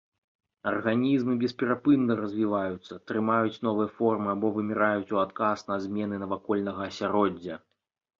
Арганізмы бесперапынна развіваюцца, прымаюць новыя формы або выміраюць ў адказ на змены навакольнага асяроддзя.